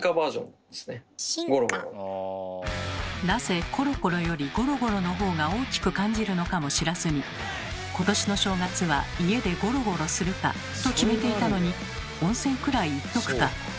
なぜ「コロコロ」より「ゴロゴロ」の方が大きく感じるのかも知らずに「今年の正月は家でゴロゴロするか」と決めていたのに「温泉くらい行っとくか」